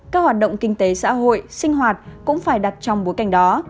các hoạt động kinh tế xã hội sinh hoạt cũng phải đặt trong bối cảnh đó